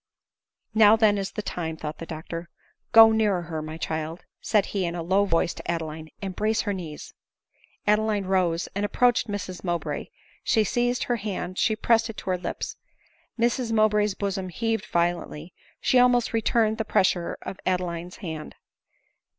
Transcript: " Now then is the time," thought the doctor. " Go nearer her, my child," said he in a low voice to Adeline, " embrace her knees." Adeline rose, and approached Mrs Mowbray; she seized her hand, she pressed it to her lips. Mrs Mow bray's bosom heaved violently ; she almost returned the pressure of Adeline's hand.